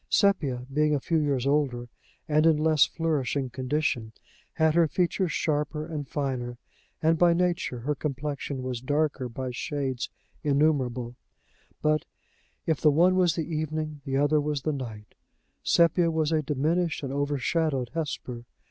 Sepia, being a few years older, and in less flourishing condition, had her features sharper and finer, and by nature her complexion was darker by shades innumerable; but, if the one was the evening, the other was the night: Sepia was a diminished and overshadowed Hesper.